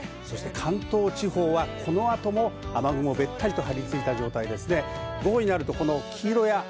関東地方はこの後も雨雲が、べったりと張り付いた状態です。